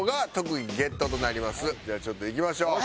じゃあちょっといきましょう。